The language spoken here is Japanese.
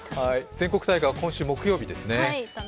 全国大会は今週木曜日ですね。